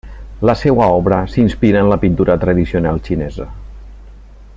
La seva obra s'inspira en la pintura tradicional xinesa.